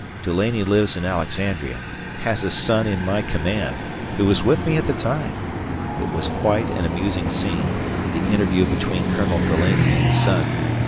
Dulaney lives in Alexandria, has a son in my command, who was with me at the time. ... It was quite an amusing scene, the interview between Colonel Dulaney and his son.